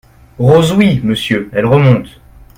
Rose Oui, Monsieur, Elle remonte.